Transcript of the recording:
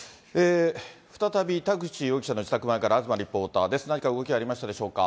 再び田口容疑者の自宅前から東リポーターです。